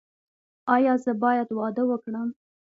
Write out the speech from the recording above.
ایا زه باید واده وکړم؟